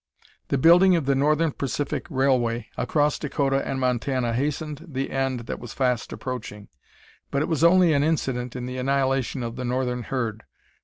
The building of the Northern Pacific Railway across Dakota and Montana hastened the end that was fast approaching; but it was only an incident in the annihilation of the northern herd.